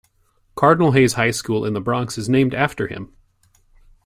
Cardinal Hayes High School in The Bronx is named after him.